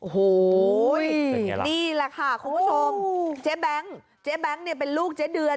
โอ้โหนี่แหละค่ะคุณผู้ชมเจ๊แบงค์เจ๊แบงค์เนี่ยเป็นลูกเจ๊เดือน